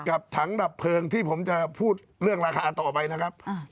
ถังดับเพลิงที่ผมจะพูดเรื่องราคาต่อไปนะครับ